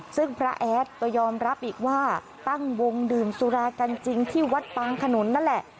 ซึ่งพระแอดก็ยอมรับอีกว่าตั้งวงดื่มสุรากันจริงที่วัดปางขนุนนั่นแหละ